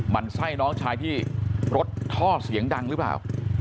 มันไส้น้องชายที่รถท่อเสียงดังหรือเปล่า